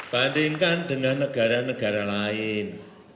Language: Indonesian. bandingkan dengan negara negara lain